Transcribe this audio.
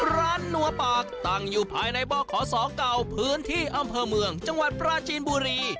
นัวปากตั้งอยู่ภายในบขศเก่าพื้นที่อำเภอเมืองจังหวัดปราจีนบุรี